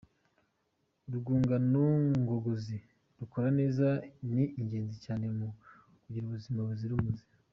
Urwungano ngogozi rukora neza ni ingenzi cyane mu kugira ubuzima buzira umuze.